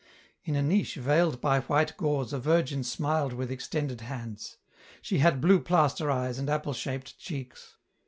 In a niche veiled by white gauze a Virgin smiled with extended hands. She had blue plaster eyes and apple shaped cheeks.